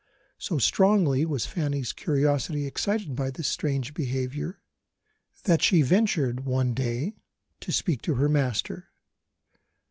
So strongly was Fanny's curiosity excited by this strange behaviour, that she ventured one day to speak to her master.